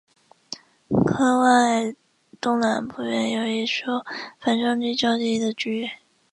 坑外东南不远有一处反照率较低的区域。